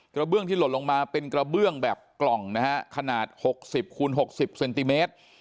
เบื้องที่หล่นลงมาเป็นกระเบื้องแบบกล่องนะฮะขนาด๖๐คูณ๖๐เซนติเมตร